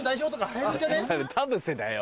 田臥だよ。